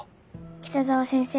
北澤先生